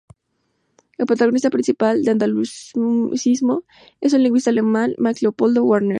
El protagonista principal de andalucismo es un lingüista alemán, Max Leopold Wagner.